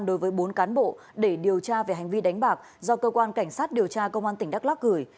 đối với bốn cán bộ để điều tra về hành vi đánh bạc do cơ quan cảnh sát điều tra công an tỉnh đắk lắc gửi